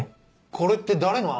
これって誰の案？